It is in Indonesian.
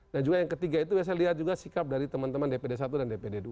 nah juga yang ketiga itu saya lihat juga sikap dari teman teman dpd satu dan dpd dua